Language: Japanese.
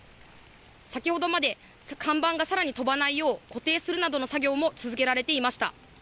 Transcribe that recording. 先ほどまで、看板がさらに飛ばないよう、固定するなどの作業も続けられていました。